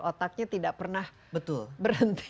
otaknya tidak pernah berhenti